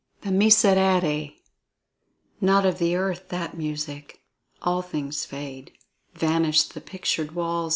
THE MISERERE Not of the earth that music! all things fade; Vanish the pictured walls!